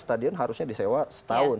stadion harusnya disewa setahun